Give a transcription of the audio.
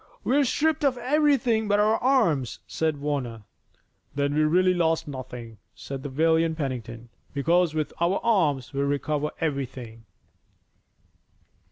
"We're stripped of everything but our arms," said Warner. "Then we've really lost nothing," said the valiant Pennington, "because with our arms we'll recover everything."